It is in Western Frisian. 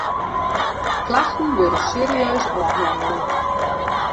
Klachten wurde serieus ôfhannele.